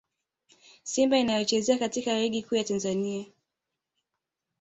Simba inayocheza katika Ligi Kuu ya Tanzania